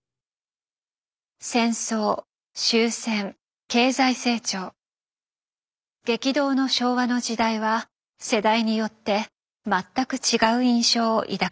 戦争終戦経済成長激動の昭和の時代は世代によって全く違う印象を抱かせます。